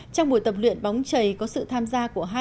trong buổi tập luyện bóng chày có sự tham gia của hai mươi năm nghị sĩ